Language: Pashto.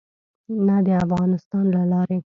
نه د افغانستان له لارې.